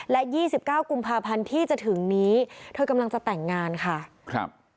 และ๒๙กุมภาพันธ์ที่จะถึงนี้เธอกำลังจะแต่งงานค่ะครับ